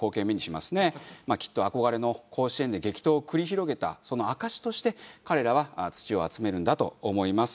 まあきっと憧れの甲子園で激闘を繰り広げたその証しとして彼らは土を集めるんだと思います。